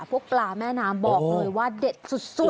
ปลาแม่น้ำบอกเลยว่าเด็ดสุด